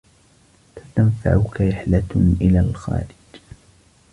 ستنفعك رحلة إلى الخارج.